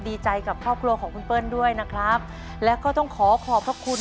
ดีใจกับครอบครัวของคุณเปิ้ลด้วยนะครับแล้วก็ต้องขอขอบพระคุณ